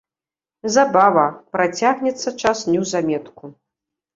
Забава, працягнецца час неўзаметку.